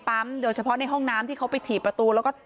โดยเฉพาะในห้องน้ำที่เขาไปถีบประตูแล้วก็